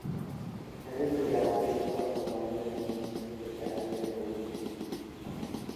Credits adapted from the liner notes of "The Diary of Alicia Keys".